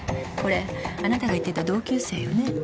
これあなたが言ってた同級生よね？